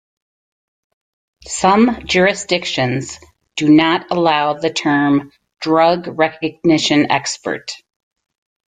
Some jurisdictions do not allow the term Drug Recognition Expert.